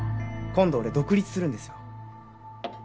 今度俺独立するんですよ。